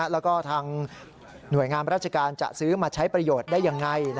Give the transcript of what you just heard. แล้วก็ทางหน่วยงามราชการจะซื้อมาใช้ประโยชน์ได้ยังไง